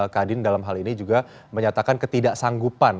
kadin dalam hal ini juga menyatakan ketidaksanggupan